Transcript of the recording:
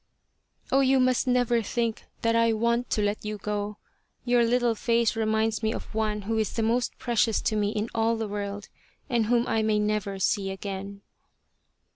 " Oh, you must never think that I want to let you go. ... Your little face reminds me of one who is the most precious to me in all the world, and whom I may never see again."